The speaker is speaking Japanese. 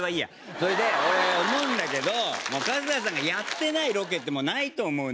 それで俺思うんだけど春日さんがやってないロケってもうないと思うのよ。